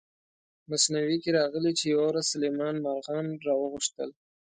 مثنوي کې راغلي چې یوه ورځ سلیمان مارغان را وغوښتل.